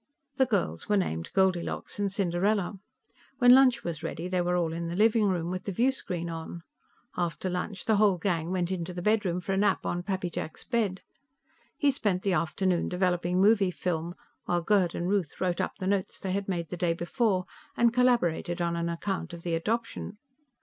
The girls were named Goldilocks and Cinderella. When lunch was ready, they were all in the living room, with the viewscreen on; after lunch, the whole gang went into the bedroom for a nap on Pappy Jack's bed. He spent the afternoon developing movie film, while Gerd and Ruth wrote up the notes they had made the day before and collaborated on an account of the adoption.